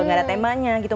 nggak ada temanya gitu